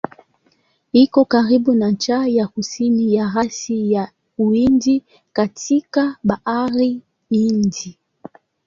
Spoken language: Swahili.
Iko karibu na ncha ya kusini ya rasi ya Uhindi katika Bahari Hindi.